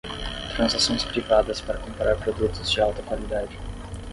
Transações privadas para comprar produtos de alta qualidade